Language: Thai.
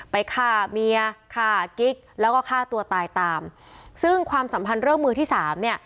ฆ่าเมียฆ่ากิ๊กแล้วก็ฆ่าตัวตายตามซึ่งความสัมพันธ์เรื่องมือที่สามเนี่ย